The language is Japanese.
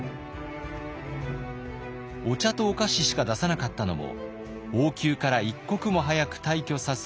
お茶とお菓子しか出さなかったのも王宮から一刻も早く退去させ